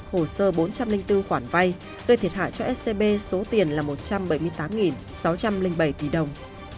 hồ sơ bốn trăm linh bốn khoản vay gây thiệt hại cho scb số tiền là một trăm bảy mươi tám sáu trăm linh bảy tỷ đồng